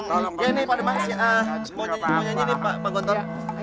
mau nyanyi mau nyanyi pak gontor